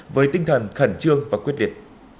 với tinh thần khẩn trương và quyết liệt